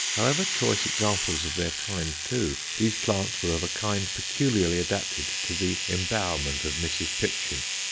However choice examples of their kind, too, these plants were of a kind peculiarly adapted to the embowerment of Mrs. Pipchin.